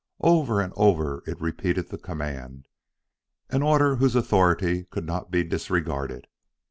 Over and over it repeated the command an order whose authority could not be disregarded.